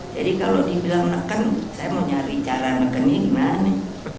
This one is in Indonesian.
jadi kalau dibilang neken saya mau cari cara nekennya gimana